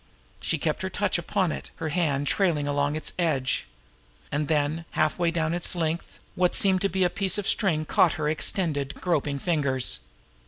She kept her touch upon it, her hand trailing along its edge. And then, halfway down its length, what seemed to be a piece of string caught in her extended, groping fingers.